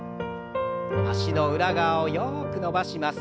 脚の裏側をよく伸ばします。